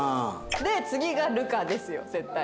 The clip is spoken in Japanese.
で次が流佳ですよ絶対。